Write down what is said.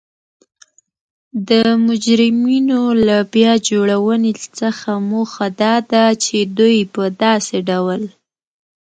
د مجرمینو له بیا جوړونې څخه موخه دا ده چی دوی په داسې ډول